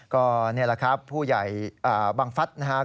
ก็นี่แหละครับผู้ใหญ่บังฟัฐนะครับ